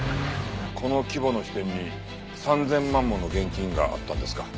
この規模の支店に３０００万もの現金があったんですか？